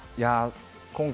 今回。